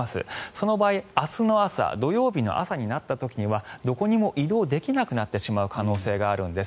その場合、明日の朝土曜日の朝になった時にはどこにも移動できなくなってしまう可能性があるんです。